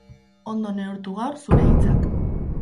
Ondo neurtu gaur zure hitzak.